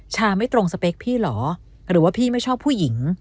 ไม่ตรงสเปคพี่เหรอหรือว่าพี่ไม่ชอบผู้หญิง